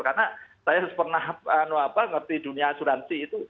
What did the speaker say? karena saya pernah ngerti dunia asuransi itu